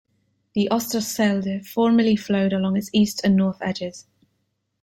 The Oosterschelde formerly flowed along its east and north edges.